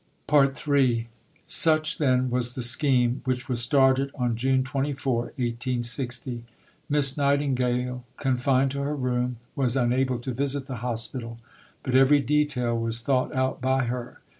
III Such, then, was the scheme which was started on June 24, 1860. Miss Nightingale, confined to her room, was unable to visit the Hospital; but every detail was thought out by her.